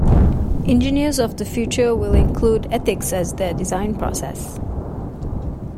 Engineers of the future will include Ethics as their design process.